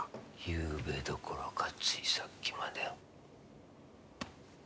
ゆうべどころかついさっきまで。